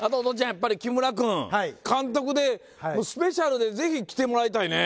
やっぱり木村くん監督でスペシャルでぜひ来てもらいたいね